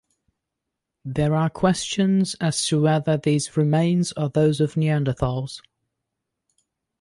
There are questions as to whether these remains are those of Neandertals.